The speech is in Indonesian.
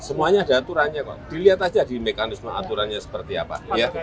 semuanya ada aturannya dilihat aja di mekanisme aturannya seperti apa